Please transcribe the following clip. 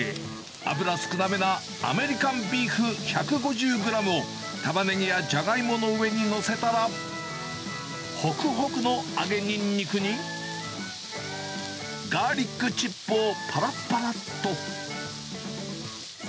脂少なめなアメリカンビーフ１５０グラムを、タマネギやジャガイモの上に載せたら、ほくほくの揚げニンニクに、ガーリックチップをぱらぱらっと。